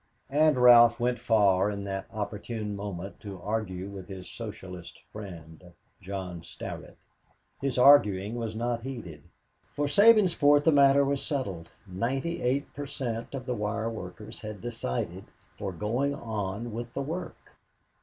And Ralph went far at that opportune moment to argue with his Socialist friend, John Starrett. His arguing was not heeded. For Sabinsport the matter was settled ninety eight per cent, of the wire workers had decided for going on with the work.